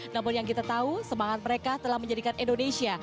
namun yang kita tahu semangat mereka telah menjadikan indonesia